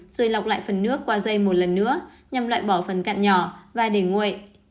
rồi lọc lại phần nước qua dây một lần nữa nhằm loại bỏ phần cạn nhỏ và để nguội